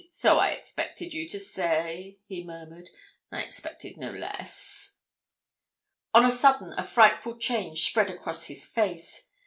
So I expected you to say,' he murmured. 'I expected no less.' On a sudden a frightful change spread across his face.